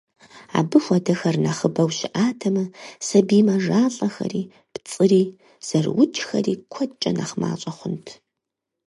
Абы хуэдэхэр нэхъыбэу щыӏатэмэ, сабий мэжалӏэхэри, пцӏыри, зэрыукӏхэри куэдкӏэ нэхъ мащӏэ хъунт.